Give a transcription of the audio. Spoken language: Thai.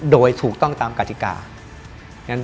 โดยถูกต้องตามกติกา